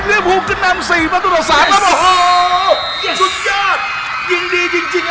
เรียบหูขึ้นมาสี่มาตรตัวสามแล้วบอลหูจุดยอดยิ่งดีจริงจริง